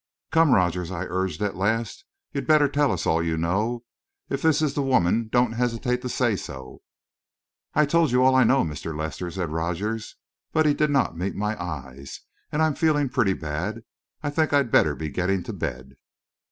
"Come, Rogers," I urged, at last. "You'd better tell us all you know. If this is the woman, don't hesitate to say so." "I've told you all I know, Mr. Lester," said Rogers, but he did not meet my eyes. "And I'm feeling pretty bad. I think I'd better be getting to bed."